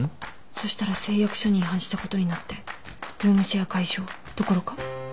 そしたら誓約書に違反したことになってルームシェア解消どころか。